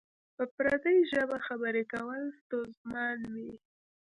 په پردۍ ژبه خبری کول ستونزمن وی؟